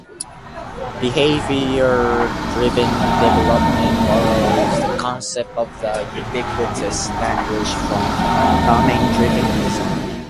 Behavior-driven development borrows the concept of the "ubiquitous language" from domain driven design.